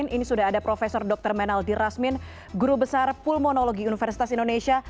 ini sudah ada prof dr menaldi rasmin guru besar pulmonologi universitas indonesia